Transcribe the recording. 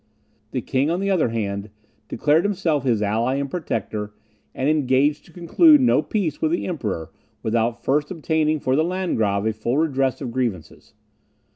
The king, on the other hand, declared himself his ally and protector; and engaged to conclude no peace with the Emperor without first obtaining for the Landgrave a full redress of grievances.